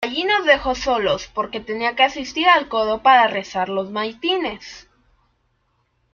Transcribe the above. allí nos dejó solos, porque tenía que asistir al coro para rezar los maitines.